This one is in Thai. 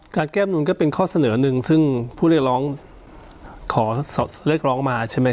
การแก้ปหนุนก็เป็นข้อเสนอหนึ่งซึ่งผู้เลขร้องขอเลขร้องมาใช่ไม่